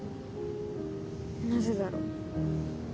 なぜだろう？